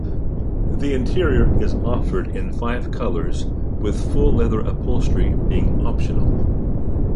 The interior is offered in five colours with full leather upholstery being optional.